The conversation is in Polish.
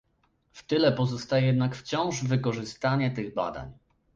W tyle pozostaje jednak wciąż wykorzystanie tych badań